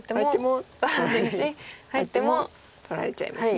取られちゃいます。